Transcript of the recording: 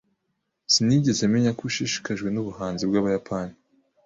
Sinigeze menya ko ushishikajwe nubuhanzi bwabayapani.